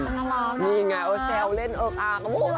น่ารักน่ารักนี่ไงแซวเล่นเอิ๊กอาร์ก